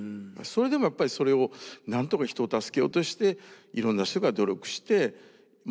それでもやっぱりそれを何とか人を助けようとしていろんな人が努力して。